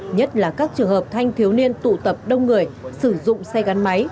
nhất là các trường hợp thanh thiếu niên tụ tập đông người sử dụng xe gắn máy